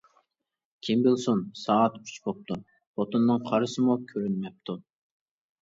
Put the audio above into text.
كىم بىلسۇن، سائەت ئۈچ بوپتۇ، خوتۇنىنىڭ قارىسىمۇ كۆرۈنمەپتۇ.